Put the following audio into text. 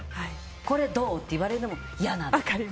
これどう？って言われるのも嫌なの。